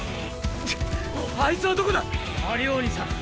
くっあいつはどこだ⁉アリオーニさん。